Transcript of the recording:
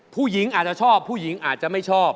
ผู้หญิงอาจจะชอบผู้หญิงอาจจะไม่ชอบ